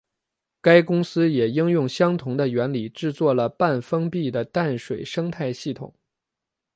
该公司也应用相同的原理制作了半封闭的淡水生态系统。